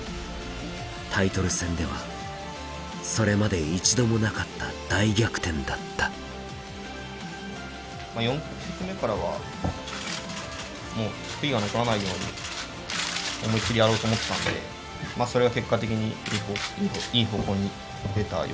タイトル戦ではそれまで一度もなかった大逆転だったまあ４局目からは悔いが残らないように思いっきりやろうと思ってたんでまあそれが結果的にいい方向に出たような感じですね。